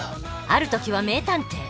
ある時は名探偵。